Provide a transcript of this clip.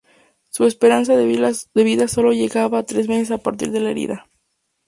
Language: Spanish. Su esperanza de vida sólo llegaba a tres meses a partir de la herida.